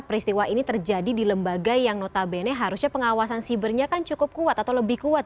peristiwa ini terjadi di lembaga yang notabene harusnya pengawasan sibernya kan cukup kuat atau lebih kuat